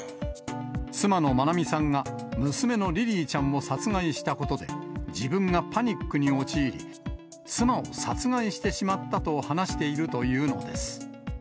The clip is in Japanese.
妻の愛美さんが娘のリリィちゃんを殺害したことで、自分がパニックに陥り、妻を殺害してしまったと話しているというのです。